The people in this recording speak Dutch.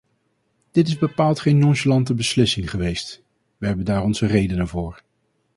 Dit is bepaald geen nonchalante beslissing geweest; we hebben daar onze redenen voor.